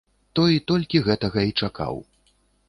Той толькі гэтага і чакаў.